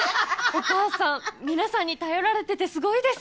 お母さん皆さんに頼られててすごいです。